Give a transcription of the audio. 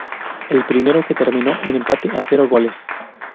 El primero que terminó en empate a cero goles.